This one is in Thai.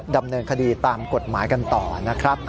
ดำเนินคดีตามกฎหมายกันต่อนะครับ